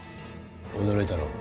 驚いたろう。